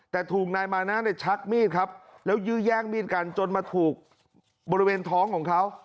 แต่ถูกนายมานะชักมีดครับแล้วยื้อแย่งมีดกันจนมาถูกบริเวณท้องของเขา